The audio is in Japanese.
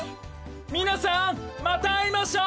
みなさんまたあいましょう！